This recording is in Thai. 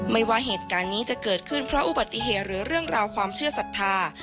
ว่าเหตุการณ์นี้จะเกิดขึ้นเพราะอุบัติเหตุหรือเรื่องราวความเชื่อศรัทธา